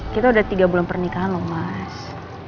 kita udah tiga bulan pernikahan loh mas